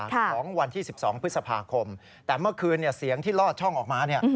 ของวันที่๑๒พฤษภาคมแต่เมื่อคืนเนี่ยเสียงที่ลอดช่องออกมาเนี่ย